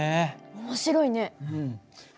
面白いね。